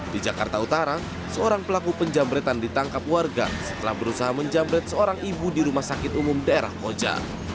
di jakarta utara seorang pelaku penjamretan ditangkap warga setelah berusaha menjamret seorang ibu di rumah sakit umum daerah koja